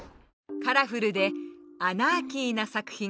カラフルでアナーキーな作品。